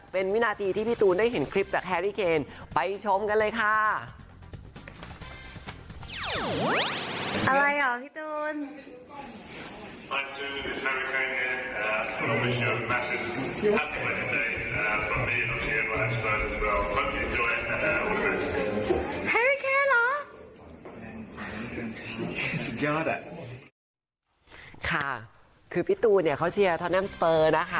เป็นวินาทีที่พี่ตูนได้เห็นคลิปจากแฮรี่เคนไปชมกันเลยค่ะ